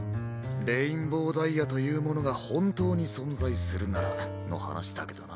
レインボーダイヤというものがほんとうにそんざいするならのはなしだけどな。